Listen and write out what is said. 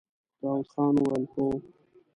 داوود خان وويل: هو!